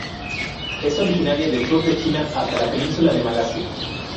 Es originaria del sur de China hasta la península de Malasia.